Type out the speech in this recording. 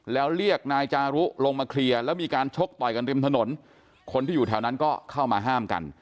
แล้วเรียกนายจารุลงมาเคลียร์แล้วมีการชกต่อยกันริมถนนคนที่อยู่แถวนั้นก็เข้ามาห้ามกัน